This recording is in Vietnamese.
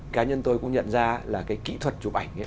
cá nhân tôi cũng nhận ra là cái kỹ thuật chụp ảnh